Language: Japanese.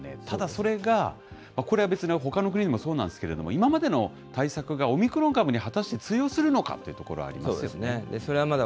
ただ、それが、これは別にほかの国でもそうなんですけれども、今までの対策がオミクロン株に果たして通用するのかってところもありますよね。